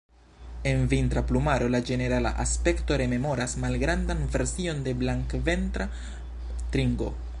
En vintra plumaro, la ĝenerala aspekto rememoras malgrandan version de Blankventra tringo.